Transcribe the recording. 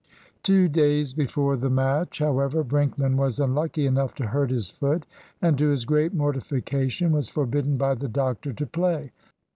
Two days before the match, however, Brinkman was unlucky enough to hurt his foot, and to his great mortification was forbidden by the doctor to play.